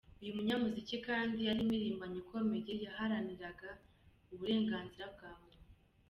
Uyu munyamuziki kandi, yari impirimbanyi ikomeye yaharaniraga uburenganzira bwa muntu.